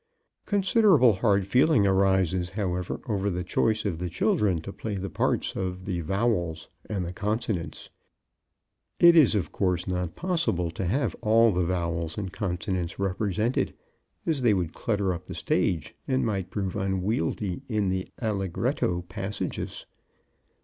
Considerable hard feeling arises, however, over the choice of the children to play the parts of the Vowels and the Consonants. It is, of course, not possible to have all the vowels and consonants represented, as they would clutter up the stage and might prove unwieldy in the allegretto passages.